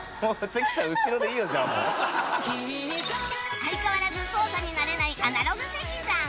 相変わらず操作に慣れないアナログ関さん